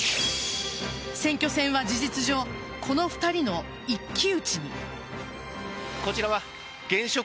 選挙戦は事実上この２人の一騎打ちに。